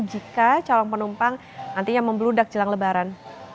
jika calon penumpang nantinya membeludak jelang lebaran